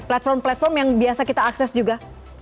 platform platform yang biasa kita akses juga